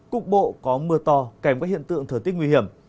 cục bộ có mưa to kèm với hiện tượng thời tiết nguy hiểm